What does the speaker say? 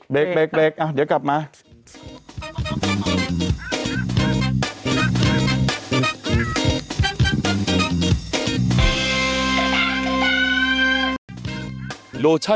เบรกเบรกเบรกเดี๋ยวกลับมา